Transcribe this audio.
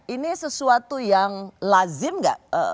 ini sesuatu yang lazim nggak